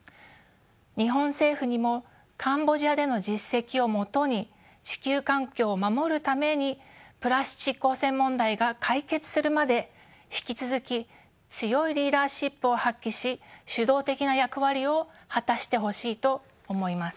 日本政府にもカンボジアでの実績をもとに地球環境を守るためにプラスチック汚染問題が解決するまで引き続き強いリーダーシップを発揮し主導的な役割を果たしてほしいと思います。